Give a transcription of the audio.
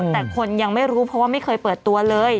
แต่คนยังไม่รู้เพราะว่าไม่เคยเปิดตัวเลย